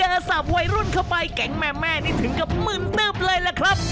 เมื่อสามวัยรุ่นเข้าไปแก่งแม่นี่ถึงกับหมื่นเติบเลยแหละครับ